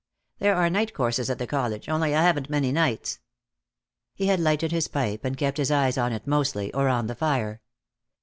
There are night courses at the college, only I haven't many nights." He had lighted his pipe, and kept his eyes on it mostly, or on the fire.